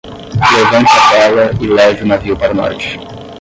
Levante a vela e leve o navio para o norte.